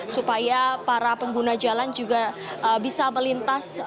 supaya para pengguna jalan juga bisa melintas